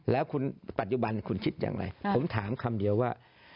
แล้วคุณปัจจุบันคุณคิดอย่างไรผมถามคำเดียวว่า